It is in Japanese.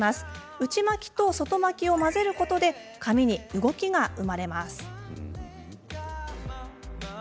内巻きと外巻きを混ぜることで髪に動きが生まれ。